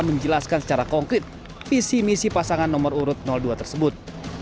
dan menjelaskan secara konkret visi misi pasangan nomor urut dua tersebut